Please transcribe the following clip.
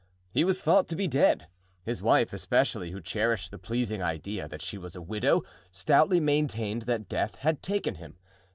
He was thought to be dead; his wife, especially, who cherished the pleasing idea that she was a widow, stoutly maintained that death had taken him.